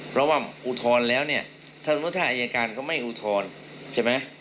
เพราะว่าอุทธรณ์แล้วเนี่ยธรรมศาสตร์อัยการก็ไม่อุทธรณ์ใช่ไหม